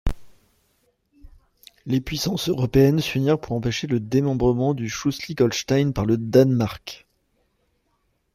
Les puissances européennes s'unirent pour empêcher le démembrement du Schleswig-Holstein par le Danemark.